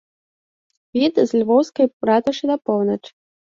Від з львоўскай ратушы на поўнач.